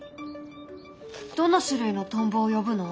どの種類のトンボを呼ぶの？